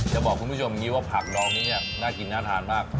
จะบอกคุณผู้ชมว่าผักดองนี่น่ากลิ่นน่าทานมาก